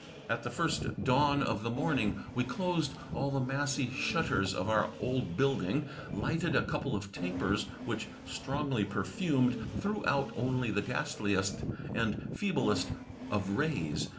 At the first dawn of the morning we closed all the massy shutters of our old building; lighted a couple of tapers, which, strongly per fumed, threw out only the ghastliest and feeblest of rays.